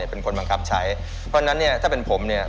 เป็นคนบังคับใช้เพราะฉะนั้นเนี่ยถ้าเป็นผมเนี่ย